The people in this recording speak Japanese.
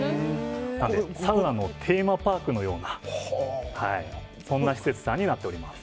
なのでサウナのテーマパークのようなそんな施設さんになっています。